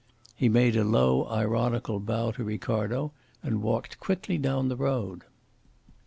He made a low, ironical bow to Ricardo and walked quickly down the road.